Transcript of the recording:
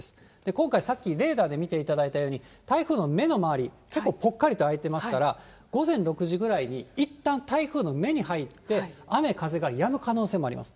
今回、さっきレーダーで見ていただいたように、台風の目の周り、結構ぽっかりとあいてますから、午前６時ぐらいにいったん台風の目に入って、雨、風がやむ可能性があります。